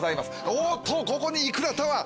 おっとここにいくらタワー！